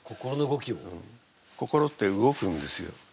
心って動くんですよ。